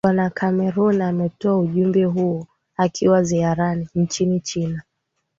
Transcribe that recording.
bwana cameron ametoa ujumbe huo akiwa ziarani nchini china